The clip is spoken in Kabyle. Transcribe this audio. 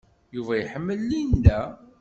Yuba iḥemmel Linda.